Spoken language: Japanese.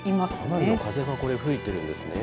かなり風が吹いているんですね。